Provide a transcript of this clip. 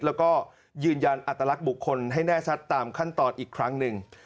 แล้วก็ยืนยันอัตลักษณ์บุคคลให้แน่ชัดตามขั้นตอนอีกครั้งหนึ่ง